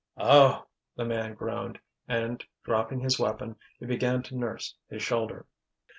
"Oh!" the man groaned, and dropping his weapon, he began to nurse his shoulder.